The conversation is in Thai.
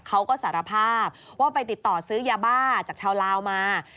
เขาก็สารภาพว่าไปติดต่อซื้อยาบ้าจากชาวลาวมา